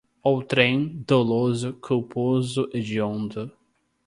outrem, doloso, culposo, hediondo